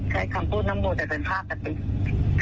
ใช้คำพูดน้องมอแต่เป็นค่ากติก